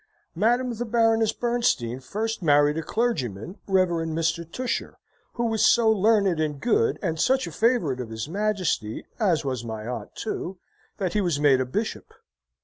"Madame the Baroness Bernstein first married a clergyman, Reverend Mr. Tusher, who was so learned and good, and such a favourite of his Majesty, as was my aunt too, that he was made a Bishop.